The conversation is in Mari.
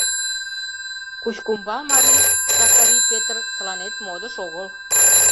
Кучкумбал мари Сакари Петр тыланет модыш огыл...